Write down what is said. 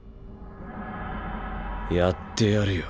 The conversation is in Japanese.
やってやるよ。